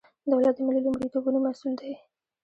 دولت د ملي لومړیتوبونو مسئول دی.